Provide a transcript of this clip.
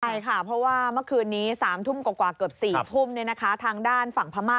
ใช่ค่ะเพราะว่าเมื่อคืนนี้๓ทุ่มกว่าเกือบ๔ทุ่มทางด้านฝั่งพม่า